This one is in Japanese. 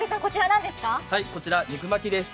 こちら、肉巻きです。